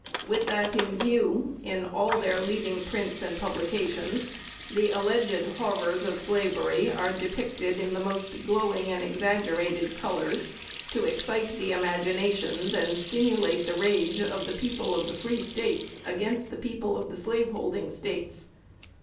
"With that in view, in all their leading prints and publications, the alleged horrors of slavery are depicted in the most glowing and exaggerated colors, to excite the imaginations and stimulate the rage of the people of the Free States against the people of the slaveholding States....